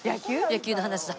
野球の話だ。